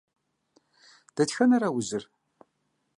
Дэтхэнэра узыр?